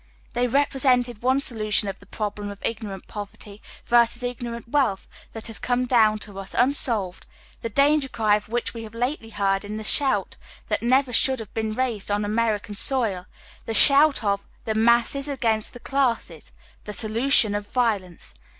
* They represented one solution of tlie problem of ignor ant poverty versm ignorant wealth that has come down to us uiiBolved, the danger cry of which we have lately heard in the shout that never should have been raised on American soil— the shout of " the masses against tlie classes "— the solution of violence.